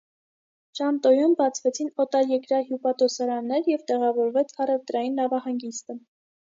Շանտոյում բացվեցին օտարերկրյա հյուպատոսարաններ և տեղավորվեց առևտրային նավահանգիստը։